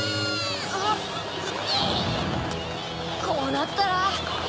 こうなったら！